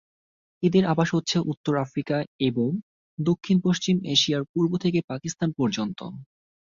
এদের আবাস হচ্ছে উত্তর আফ্রিকা এবং দক্ষিণ পশ্চিম এশিয়ার পূর্ব থেকে পাকিস্তান পর্যন্ত।